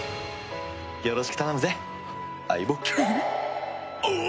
よろしく頼むぜ相棒。